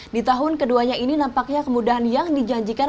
di tahun keduanya ini nampaknya kemudahan yang dijanjikan